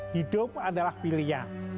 hidup adalah pilihan